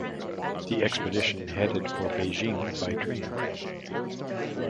The expedition headed for Beijing by train.